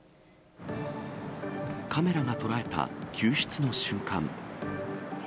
カメラが捉えた救出の瞬間。